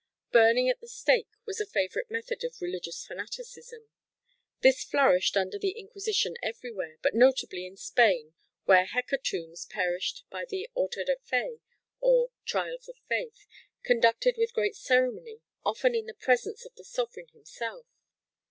Burning at the stake was the favourite method of religious fanaticism. This flourished under the Inquisition everywhere, but notably in Spain where hecatombs perished by the autos da fé or "trials of faith" conducted with great ceremony often in the presence of the sovereign himself.